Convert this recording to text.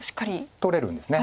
取れるんです。